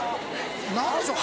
何でしょう